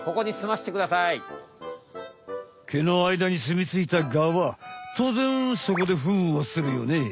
毛の間にすみついたガはとうぜんそこでフンをするよねえ。